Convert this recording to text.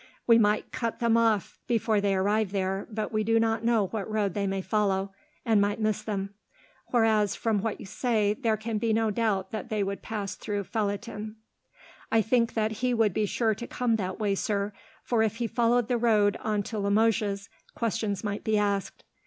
We might cut them off before they arrive there, but we do not know what road they may follow, and might miss them; whereas, from what you say, there can be no doubt that they would pass through Felletin." "I think that he would be sure to come that way, sir, for if he followed the road on to Limoges questions might be asked.